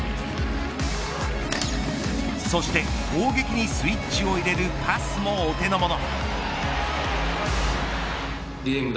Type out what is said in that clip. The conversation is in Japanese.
そして攻撃にスイッチを入れるパスもお手のもの。